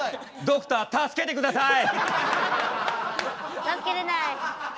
ドクター助けて下さい！